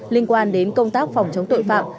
linh quan đến công tác phòng chống tội phạm